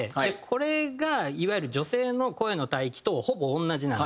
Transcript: これがいわゆる女性の声の帯域とほぼ同じなんですよね。